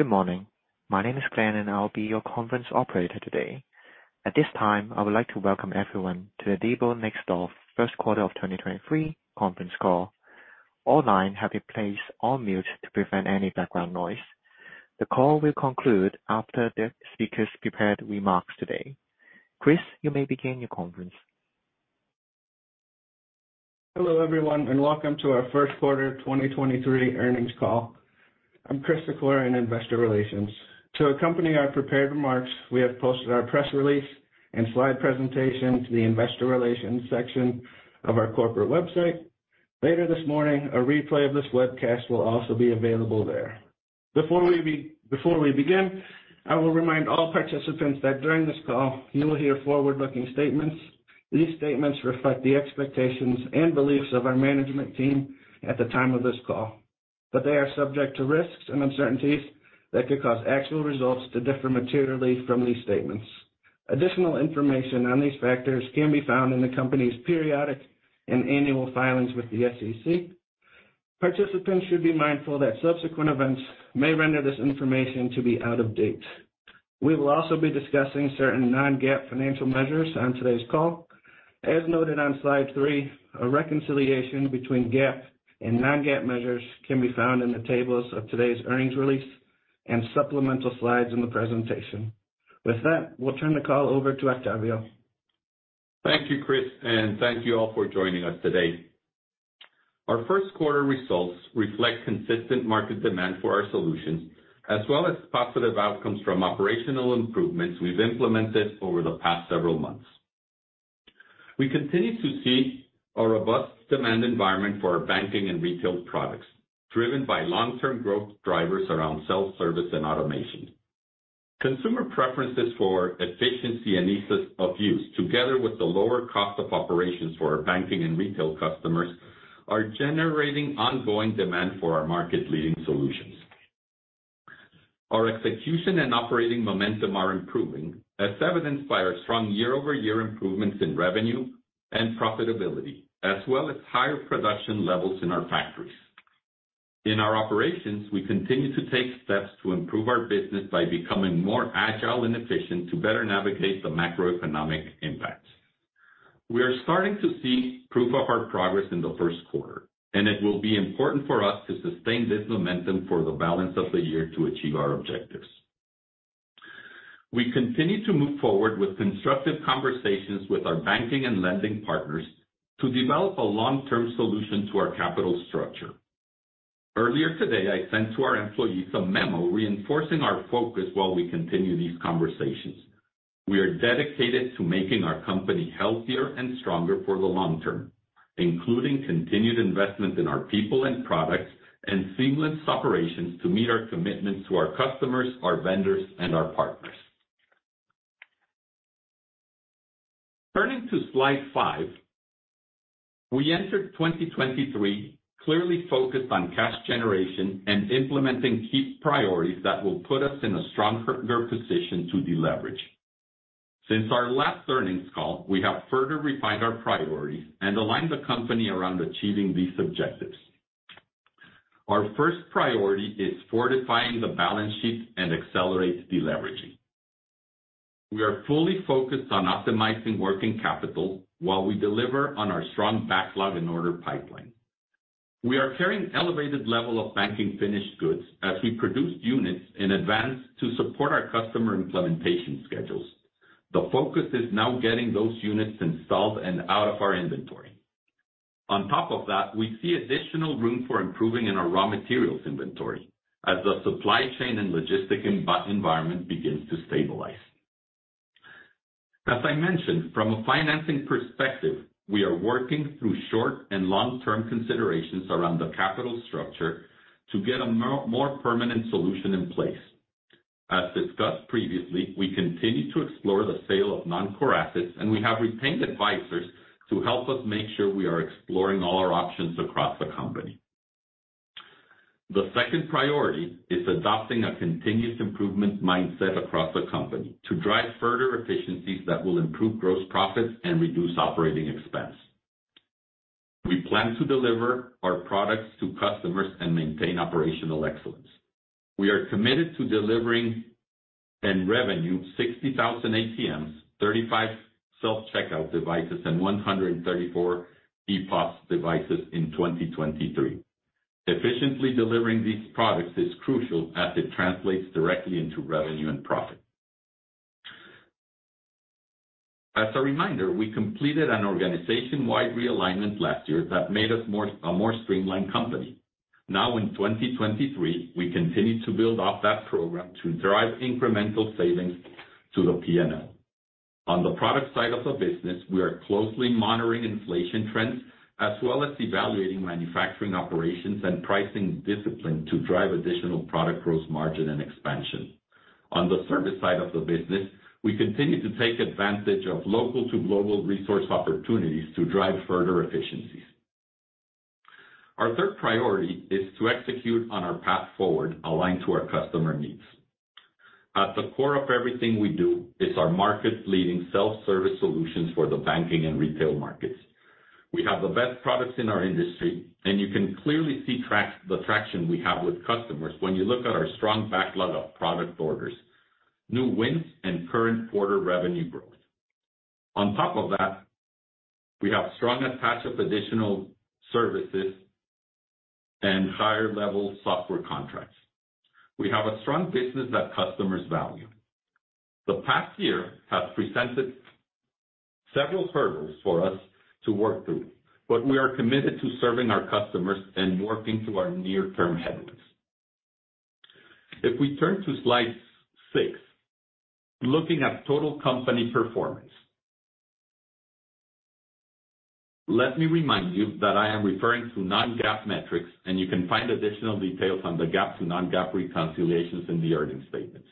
Good morning. My name is Glenn, and I'll be your conference operator today. At this time, I would like to welcome everyone to the Diebold Nixdorf first quarter of 2023 conference call. All lines have been placed on mute to prevent any background noise. The call will conclude after the speakers' prepared remarks today. Chris, you may begin your conference. Hello, everyone, welcome to our first quarter 2023 earnings call. I'm Chris Sikora in Investor Relations. To accompany our prepared remarks, we have posted our press release and slide presentation to the Investor Relations section of our corporate website. Later this morning, a replay of this webcast will also be available there. Before we begin, I will remind all participants that during this call you will hear forward-looking statements. These statements reflect the expectations and beliefs of our management team at the time of this call, they are subject to risks and uncertainties that could cause actual results to differ materially from these statements. Additional information on these factors can be found in the company's periodic and annual filings with the SEC. Participants should be mindful that subsequent events may render this information to be out of date. We will also be discussing certain non-GAAP financial measures on today's call. As noted on slide 3, a reconciliation between GAAP and non-GAAP measures can be found in the tables of today's earnings release and supplemental slides in the presentation. With that, we'll turn the call over to Octavio. Thank you, Chris. Thank you all for joining us today. Our first quarter results reflect consistent market demand for our solutions, as well as positive outcomes from operational improvements we've implemented over the past several months. We continue to see a robust demand environment for our banking and retail products, driven by long-term growth drivers around self-service and automation. Consumer preferences for efficiency and ease of use, together with the lower cost of operations for our banking and retail customers, are generating ongoing demand for our market-leading solutions. Our execution and operating momentum are improving, as evidenced by our strong YoY improvements in revenue and profitability, as well as higher production levels in our factories. In our operations, we continue to take steps to improve our business by becoming more agile and efficient to better navigate the macroeconomic impacts. We are starting to see proof of our progress in the first quarter, and it will be important for us to sustain this momentum for the balance of the year to achieve our objectives. We continue to move forward with constructive conversations with our banking and lending partners to develop a long-term solution to our capital structure. Earlier today, I sent to our employees a memo reinforcing our focus while we continue these conversations. We are dedicated to making our company healthier and stronger for the long term, including continued investment in our people and products and seamless operations to meet our commitments to our customers, our vendors, and our partners. Turning to slide 5, we entered 2023 clearly focused on cash generation and implementing key priorities that will put us in a stronger position to deleverage. Since our last earnings call, we have further refined our priorities and aligned the company around achieving these objectives. Our first priority is fortifying the balance sheet and accelerate deleveraging. We are fully focused on optimizing working capital while we deliver on our strong backlog and order pipeline. We are carrying elevated level of banking finished goods as we produce units in advance to support our customer implementation schedules. The focus is now getting those units installed and out of our inventory. On top of that, we see additional room for improving in our raw materials inventory as the supply chain and logistic environment begins to stabilize. As I mentioned, from a financing perspective, we are working through short and long-term considerations around the capital structure to get a more permanent solution in place. As discussed previously, we continue to explore the sale of non-core assets, and we have retained advisors to help us make sure we are exploring all our options across the company. The second priority is adopting a continuous improvement mindset across the company to drive further efficiencies that will improve gross profits and reduce OpEx. We plan to deliver our products to customers and maintain operational excellence. We are committed to delivering and revenue 60,000 ATMs, 35 self-checkout devices, and 134 ePOS devices in 2023. Efficiently delivering these products is crucial as it translates directly into revenue and profit. As a reminder, we completed an organization-wide realignment last year that made us a more streamlined company. Now in 2023, we continue to build off that program to drive incremental savings to the P&L. On the product side of the business, we are closely monitoring inflation trends as well as evaluating manufacturing operations and pricing discipline to drive additional product gross margin and expansion. On the service side of the business, we continue to take advantage of local to global resource opportunities to drive further efficiencies. Our third priority is to execute on our path forward aligned to our customer needs. At the core of everything we do is our market-leading self-service solutions for the banking and retail markets. We have the best products in our industry. You can clearly see the traction we have with customers when you look at our strong backlog of product orders, new wins, and current quarter revenue growth. Top of that, we have strong attach of additional services and higher-level software contracts. We have a strong business that customers value. The past year has presented several hurdles for us to work through. We are committed to serving our customers and working through our near-term headwinds. If we turn to slide 6, looking at total company performance. Let me remind you that I am referring to non-GAAP metrics, and you can find additional details on the GAAP to non-GAAP reconciliations in the earnings statements.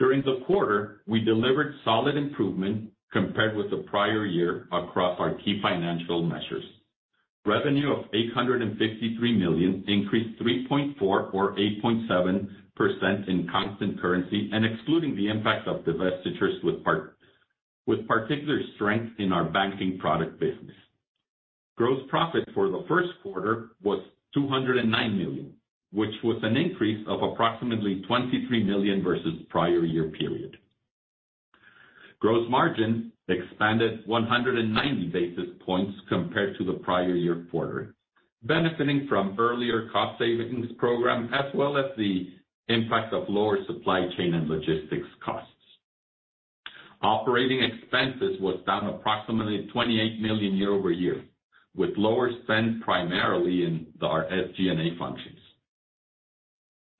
During the quarter, we delivered solid improvement compared with the prior year across our key financial measures. Revenue of $853 million increased 3.4 or 8.7% in constant currency and excluding the impact of divestitures with particular strength in our banking product business. Gross profit for the first quarter was $209 million, which was an increase of approximately $23 million versus prior year period. Gross margin expanded 190 basis points compared to the prior year quarter, benefiting from earlier cost savings program as well as the impact of lower supply chain and logistics costs. OpEx was down approximately $28 million YoY, with lower spend primarily in our SG&A functions.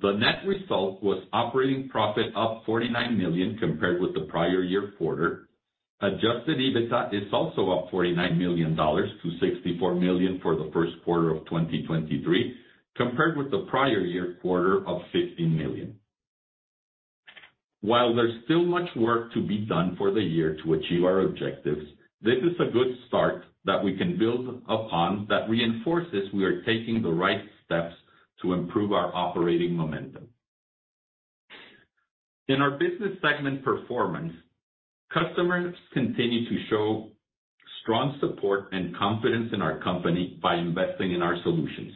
The net result was operating profit up $49 million compared with the prior year quarter. Adjusted EBITDA is also up $49 million to $64 million for the first quarter of 2023, compared with the prior year quarter of $15 million. While there's still much work to be done for the year to achieve our objectives, this is a good start that we can build upon that reinforces we are taking the right steps to improve our operating momentum. In our business segment performance, customers continue to show strong support and confidence in our company by investing in our solutions.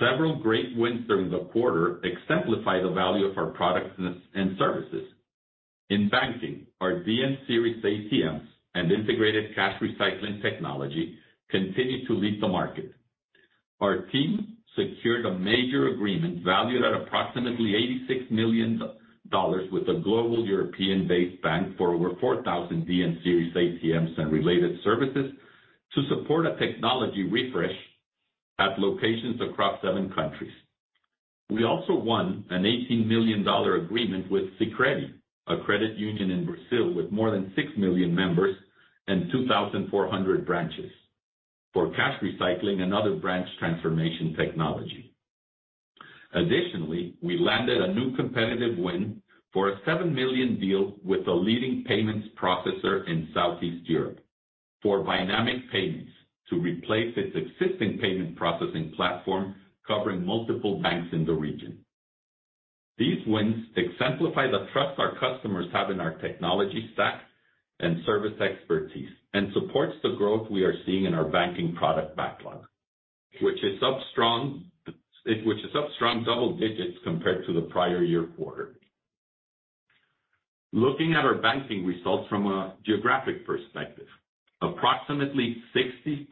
Several great wins during the quarter exemplify the value of our products and services. In banking, our DN Series ATMs and integrated cash recycling technology continued to lead the market. Our team secured a major agreement valued at approximately $86 million with a global European-based bank for over 4,000 DN Series ATMs and related services to support a technology refresh at locations across seven countries. We also won an $18 million agreement with Sicredi, a credit union in Brazil with more than 6 million members and 2,400 branches for cash recycling and other branch transformation technology. Additionally, we landed a new competitive win for a $7 million deal with a leading payments processor in Southeast Europe for dynamic payments to replace its existing payment processing platform covering multiple banks in the region. These wins exemplify the trust our customers have in our technology stack and service expertise, supports the growth we are seeing in our banking product backlog, which is up strong double digits compared to the prior year quarter. Looking at our banking results from a geographic perspective, approximately 60%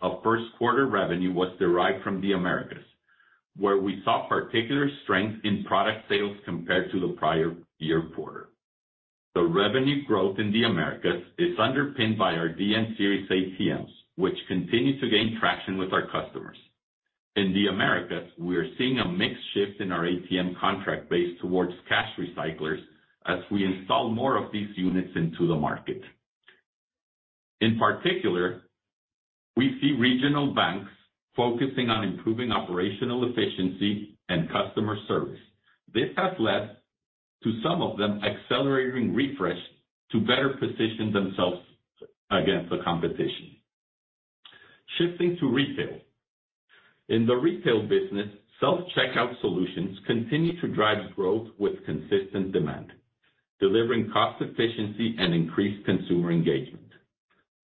of first quarter revenue was derived from the Americas, where we saw particular strength in product sales compared to the prior year quarter. The revenue growth in the Americas is underpinned by our DN Series ATMs, which continue to gain traction with our customers. In the Americas, we are seeing a mix shift in our ATM contract base towards cash recyclers as we install more of these units into the market. In particular, we see regional banks focusing on improving operational efficiency and customer service. This has led to some of them accelerating refresh to better position themselves against the competition. Shifting to retail. In the retail business, self-checkout solutions continue to drive growth with consistent demand, delivering cost efficiency and increased consumer engagement.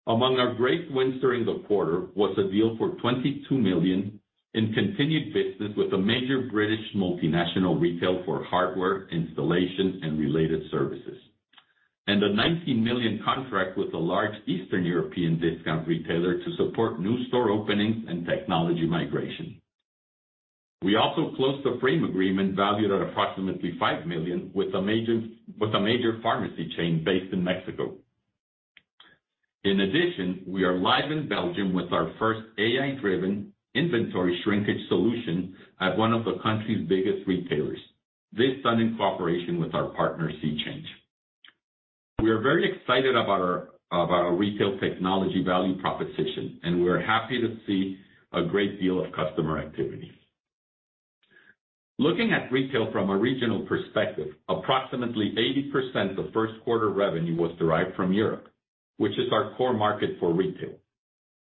Among our great wins during the quarter was a deal for $22 million in continued business with a major British multinational retail for hardware, installation, and related services. A $19 million contract with a large Eastern European discount retailer to support new store openings and technology migration. We also closed a frame agreement valued at approximately $5 million with a major pharmacy chain based in Mexico. In addition, we are live in Belgium with our first AI-driven inventory shrinkage solution at one of the country's biggest retailers. This done in cooperation with our partner, SeeChange. We are very excited about our retail technology value proposition, and we're happy to see a great deal of customer activity. Looking at retail from a regional perspective, approximately 80% of first quarter revenue was derived from Europe, which is our core market for retail.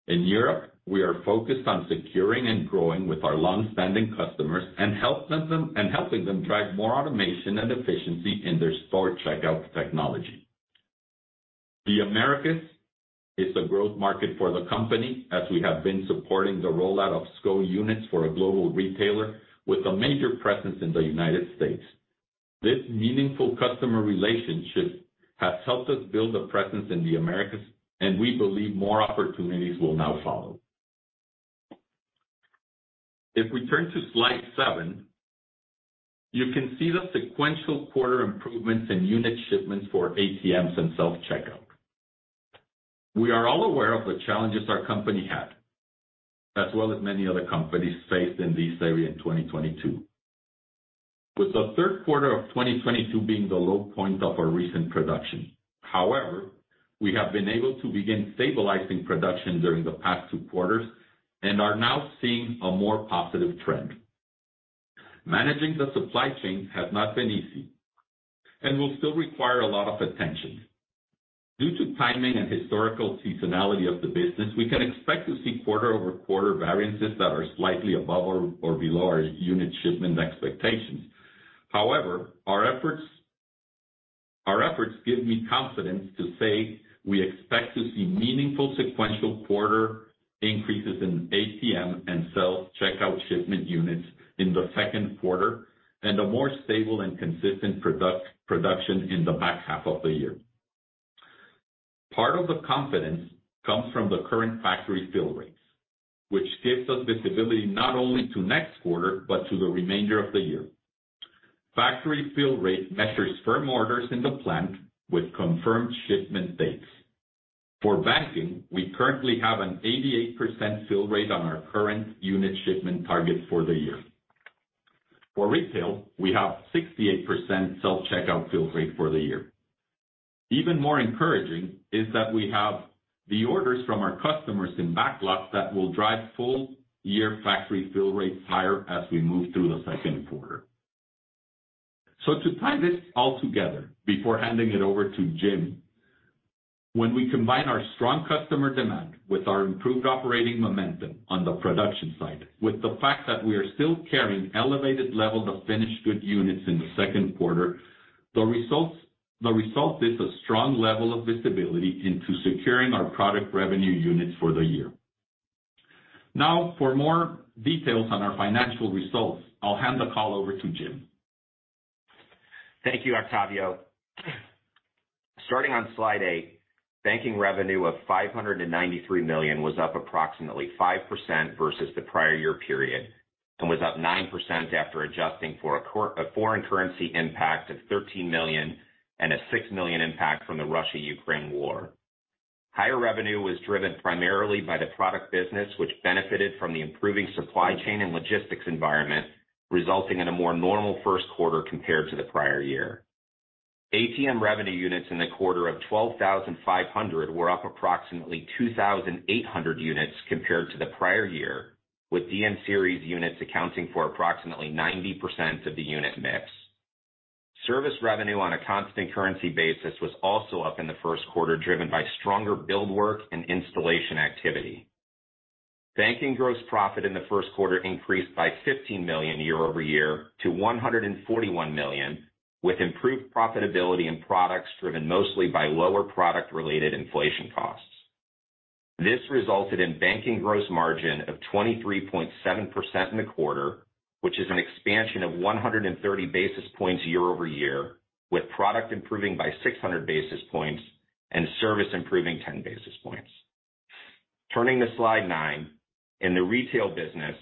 In Europe, we are focused on securing and growing with our long-standing customers and helping them drive more automation and efficiency in their store checkout technology. The Americas is a growth market for the company, as we have been supporting the rollout of SCO units for a global retailer with a major presence in the United States. This meaningful customer relationship has helped us build a presence in the Americas. We believe more opportunities will now follow. If we turn to slide seven, you can see the sequential quarter improvements in unit shipments for ATMs and self-checkout. We are all aware of the challenges our company had, as well as many other companies faced in this area in 2022, with the third quarter of 2022 being the low point of our recent production. However, we have been able to begin stabilizing production during the past two quarters and are now seeing a more positive trend. Managing the supply chain has not been easy and will still require a lot of attention. Due to timing and historical seasonality of the business, we can expect to see QoQ variances that are slightly above or below our unit shipment expectations. Our efforts give me confidence to say we expect to see meaningful sequential quarter increases in ATM and self-checkout shipment units in the second quarter and a more stable and consistent production in the back half of the year. Part of the confidence comes from the current factory fill rates, which gives us visibility not only to next quarter but to the remainder of the year. Factory fill rate measures firm orders in the plant with confirmed shipment dates. For banking, we currently have an 88% fill rate on our current unit shipment target for the year. For retail, we have 68% self-checkout fill rate for the year. Even more encouraging is that we have the orders from our customers in backlog that will drive full-year factory fill rates higher as we move through the second quarter. To tie this all together before handing it over to Jim, when we combine our strong customer demand with our improved operating momentum on the production side, with the fact that we are still carrying elevated levels of finished good units in the second quarter, the result is a strong level of visibility into securing our product revenue units for the year. Now for more details on our financial results, I'll hand the call over to Jim. Thank you, Octavio. Starting on slide 8, banking revenue of $593 million was up approximately 5% versus the prior year period and was up 9% after adjusting for a foreign currency impact of $13 million and a $6 million impact from the Russia-Ukraine war. Higher revenue was driven primarily by the product business, which benefited from the improving supply chain and logistics environment, resulting in a more normal first quarter compared to the prior year. ATM revenue units in the quarter of 12,500 were up approximately 2,800 units compared to the prior year, with DN Series units accounting for approximately 90% of the unit mix. Service revenue on a constant currency basis was also up in the first quarter, driven by stronger build work and installation activity. Banking gross profit in the first quarter increased by $15 million YoY to $141 million, with improved profitability in products driven mostly by lower product-related inflation costs. This resulted in banking gross margin of 23.7% in the quarter, which is an expansion of 130 basis points YoY, with product improving by 600 basis points and service improving 10 basis points. Turning to Slide 9, in the retail business,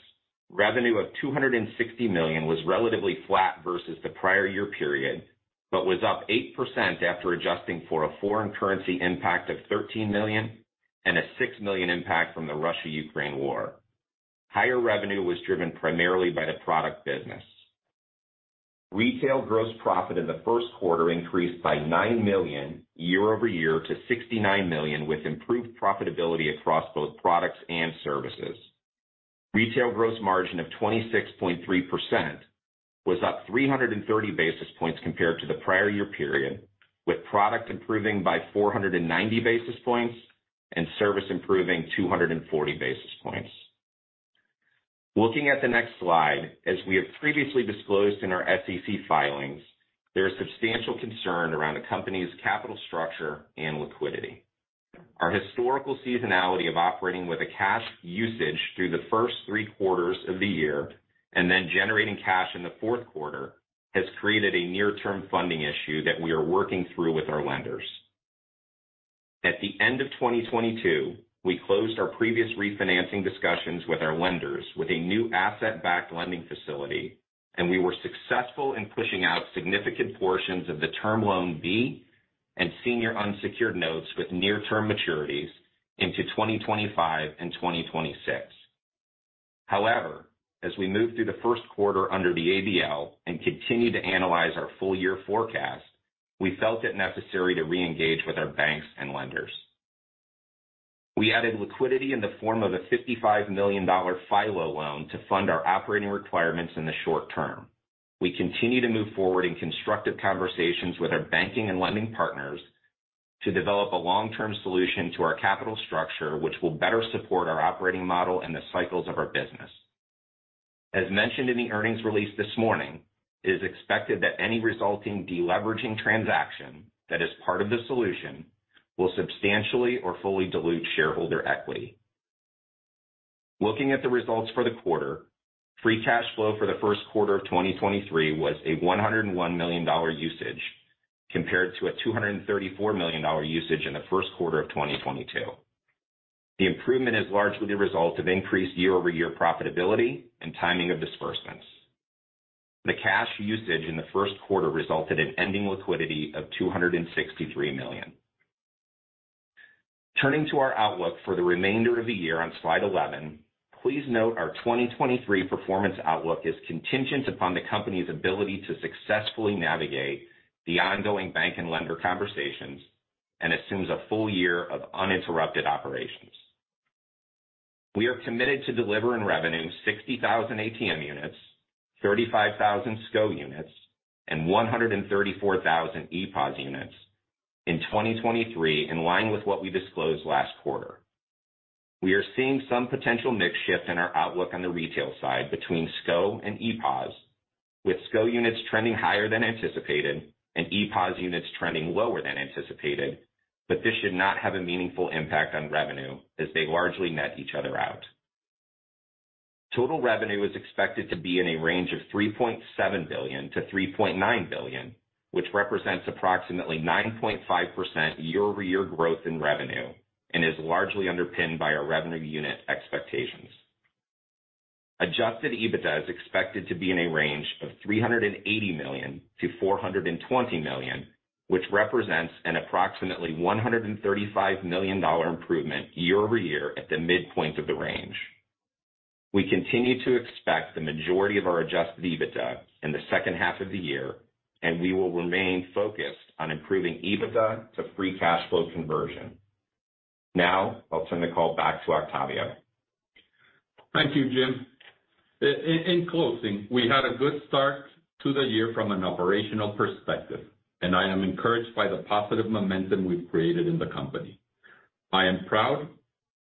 revenue of $260 million was relatively flat versus the prior year period, but was up 8% after adjusting for a foreign currency impact of $13 million and a $6 million impact from the Russia-Ukraine war. Higher revenue was driven primarily by the product business. Retail gross profit in the first quarter increased by $9 million YoY to $69 million, with improved profitability across both products and services. Retail gross margin of 26.3% was up 330 basis points compared to the prior year period, with product improving by 490 basis points and service improving 240 basis points. Looking at the next slide, as we have previously disclosed in our SEC filings, there is substantial concern around the company's capital structure and liquidity. Our historical seasonality of operating with a cash usage through the first three quarters of the year and then generating cash in the fourth quarter has created a near-term funding issue that we are working through with our lenders. At the end of 2022, we closed our previous refinancing discussions with our lenders with a new asset-backed lending facility, we were successful in pushing out significant portions of the Term Loan B and senior unsecured notes with near-term maturities into 2025 and 2026. As we moved through the first quarter under the ABL and continued to analyze our full-year forecast, we felt it necessary to reengage with our banks and lenders. We added liquidity in the form of a $55 million FILO loan to fund our operating requirements in the short term. We continue to move forward in constructive conversations with our banking and lending partners to develop a long-term solution to our capital structure, which will better support our operating model and the cycles of our business. As mentioned in the earnings release this morning, it is expected that any resulting deleveraging transaction that is part of the solution will substantially or fully dilute shareholder equity. Looking at the results for the quarter, free cash flow for the first quarter of 2023 was a $101 million usage, compared to a $234 million usage in the first quarter of 2022. The improvement is largely a result of increased YoY profitability and timing of disbursements. The cash usage in the first quarter resulted in ending liquidity of $263 million. Turning to our outlook for the remainder of the year on slide 11, please note our 2023 performance outlook is contingent upon the company's ability to successfully navigate the ongoing bank and lender conversations and assumes a full year of uninterrupted operations. We are committed to delivering revenue 60,000 ATM units, 35,000 SCO units, and 134,000 EPOS units in 2023, in line with what we disclosed last quarter. We are seeing some potential mix shift in our outlook on the retail side between SCO and EPOS, with SCO units trending higher than anticipated and EPOS units trending lower than anticipated. This should not have a meaningful impact on revenue as they largely net each other out. Total revenue is expected to be in a range of $3.7 billion-$3.9 billion, which represents approximately 9.5% YoY growth in revenue and is largely underpinned by our revenue unit expectations. Adjusted EBITDA is expected to be in a range of $380 million-$420 million, which represents an approximately $135 million improvement YoY at the midpoint of the range. We continue to expect the majority of our adjusted EBITDA in the second half of the year, and we will remain focused on improving EBITDA to free cash flow conversion. Now I'll turn the call back to Octavio. Thank you, Jim. In closing, we had a good start to the year from an operational perspective, and I am encouraged by the positive momentum we've created in the company. I am proud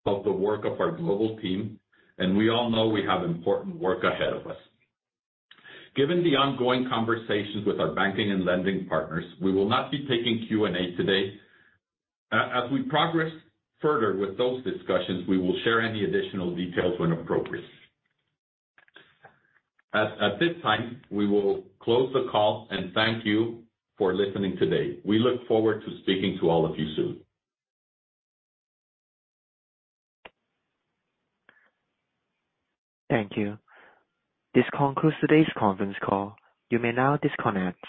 of the work of our global team, and we all know we have important work ahead of us. Given the ongoing conversations with our banking and lending partners, we will not be taking Q&A today. As we progress further with those discussions, we will share any additional details when appropriate. At this time, we will close the call and thank you for listening today. We look forward to speaking to all of you soon. Thank you. This concludes today's conference call. You may now disconnect.